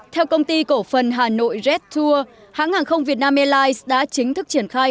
theo công ty cổ phần hà nội jet tour hãng hàng không việt nam airlines đã chính thức triển khai